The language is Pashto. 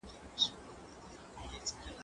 زه نان نه خورم؟!